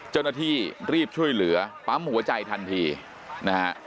เจ้าหน้าที่รีบช่วยเหลือปั๊มหัวใจทันทีนะฮะ